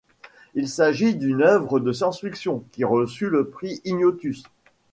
Il s'agit d'une œuvre de science-fiction qui reçut le prix Ignotus.